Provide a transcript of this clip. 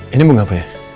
ini bunga apa ya